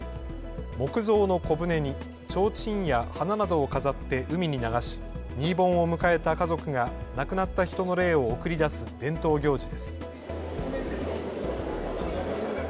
木造の小舟にちょうちんや花などを飾って海に流し新盆を迎えた家族が亡くなった人の霊を送り出す伝統行事です。